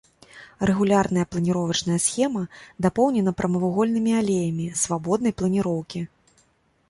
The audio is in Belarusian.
Рэгулярная планіровачная схема дапоўнена прамавугольнымі алеямі свабоднай планіроўкі.